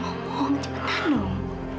udah ngomong cepetan dong